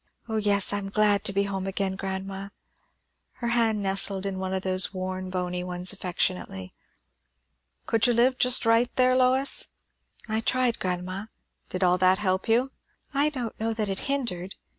O yes! I am glad to be home, grandma." Her hand nestled in one of those worn, bony ones affectionately. "Could you live just right there, Lois?" "I tried, grandma." "Did all that help you?" "I don't know that it hindered.